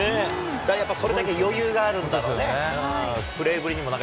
やっぱりそれだけ余裕があるんだろうね。